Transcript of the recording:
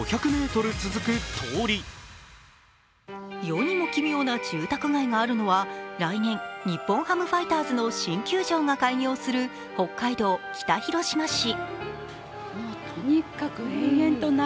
世にも奇妙な住宅街があるのは来年、日本ハムファイターズの新球場が開業する北海道北広島市。